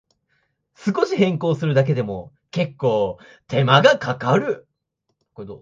少し変更するだけでも、けっこう手間がかかる